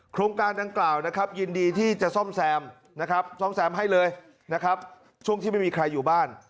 โครงการดังกล่าวยินดีที่จะซ่อมแซมซ่อมแซมให้เลยช่วงที่ไม่มีใครอยู่บ้าน